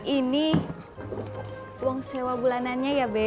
ini uang sewa bulanannya ya be